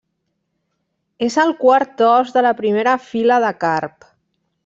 És el quart os de la primera fila de carp.